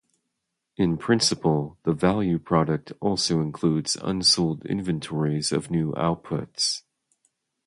In principle, the value product also includes unsold inventories of new outputs.